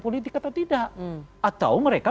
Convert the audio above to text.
politik atau tidak atau mereka